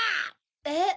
えっ？